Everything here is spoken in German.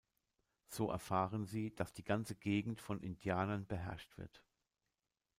So erfahren sie, dass die ganze Gegend von Indianern beherrscht wird.